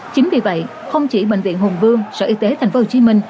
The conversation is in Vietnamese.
chính vì vậy không chỉ bệnh viện hùng vương sở y tế tp hcm